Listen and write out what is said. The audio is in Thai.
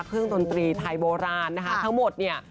ดนตรีไทยโบราณนะคะทั้งหมดเนี่ย